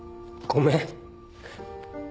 ごめん。